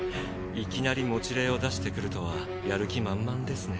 いきなり持霊を出してくるとはやる気満々ですね。